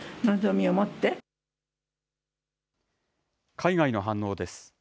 海外の反応です。